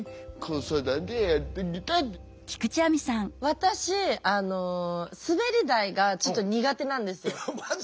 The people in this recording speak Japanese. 私あの滑り台がちょっと苦手なんですよ。